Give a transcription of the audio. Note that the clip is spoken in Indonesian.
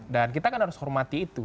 dan kita kan harus hormati itu